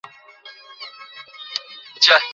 তিনি দুবার তামিলনাড়ু বিজেপির সভাপতি ছিলেন।